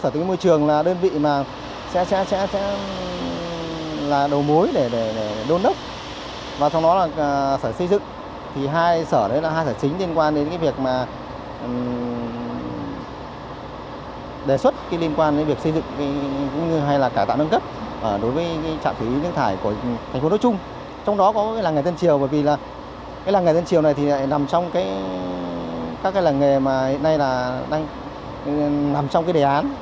trong đó có làng nghề tân triều bởi vì làng nghề tân triều này thì lại nằm trong các làng nghề mà hiện nay là nằm trong cái đề án